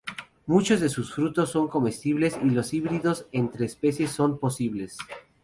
Muchos de sus frutos son comestibles y los híbridos entre especies son posibles.